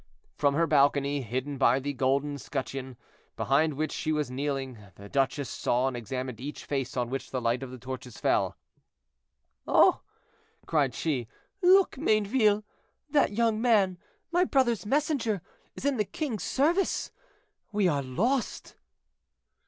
From her balcony, hidden by the golden scutcheon, behind which she was kneeling, the duchess saw and examined each face on which the light of the torches fell. "Oh!" cried she, "look, Mayneville! That young man, my brother's messenger, is in the king's service! We are lost!"